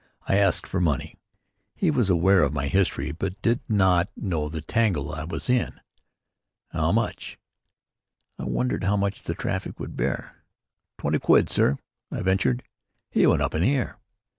I asked for money. He was aware of my history but not of the tangle I was in: "How much?" I wondered how much the traffic would bear. "Twenty quid, sir," I ventured. He went up in the air.